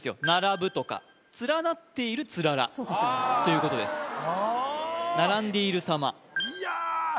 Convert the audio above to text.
ならぶとかつらなっているつららそうですよねということですならんでいるさまいや！